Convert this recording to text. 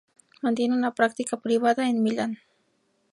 Mantiene una práctica privada en Milán.